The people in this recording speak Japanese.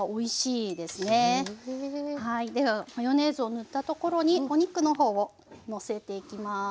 ではマヨネーズを塗ったところにお肉の方をのせていきます。